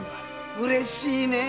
うれしいね。